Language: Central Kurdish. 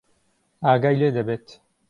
ئاگای لێ دەبێت.